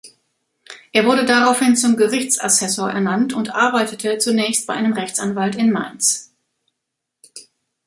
Er wurde daraufhin zum Gerichtsassessor ernannt und arbeitete zunächst bei einem Rechtsanwalt in Mainz.